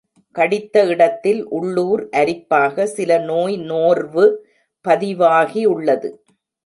கடித்த இடத்தில் உள்ளூர் அரிப்பாக சில நோய் நோர்வு பதிவாகியுள்ளது.